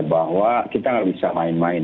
bahwa kita nggak bisa main main